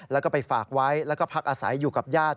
แล้วก็ไปฝากไว้แล้วก็พักอาศัยอยู่กับญาติ